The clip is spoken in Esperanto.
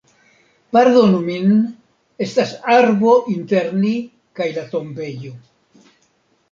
Pardonu min, estas arbo inter ni kaj la tombejo